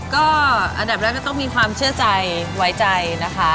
ก็อันดับแรกก็ต้องมีความเชื่อใจไว้ใจนะคะ